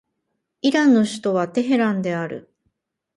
イランの首都はテヘランである